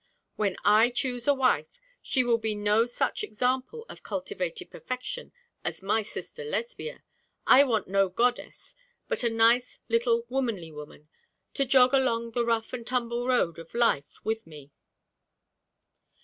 When I choose a wife, she will be no such example of cultivated perfection as my sister Lesbia. I want no goddess, but a nice little womanly woman, to jog along the rough and tumble road of life with me.'